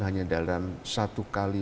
hanya dalam satu kali